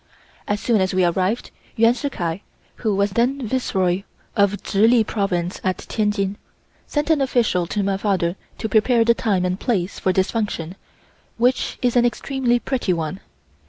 As soon as we arrived, Yuan Shih Kai, who was then Viceroy of Chihli Province at Tientsin, sent an official to my father to prepare the time and place for this function, which is an extremely pretty one.